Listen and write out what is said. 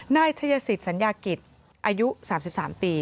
นายชัยสิทธิสัญญากิจอายุ๓๓ปี